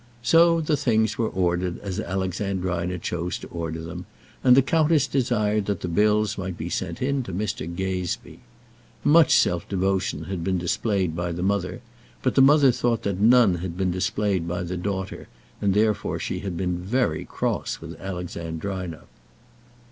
So the things were ordered as Alexandrina chose to order them, and the countess desired that the bills might be sent in to Mr. Gazebee. Much self devotion had been displayed by the mother, but the mother thought that none had been displayed by the daughter, and therefore she had been very cross with Alexandrina.